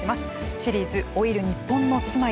シリーズ「老いる日本の住まい」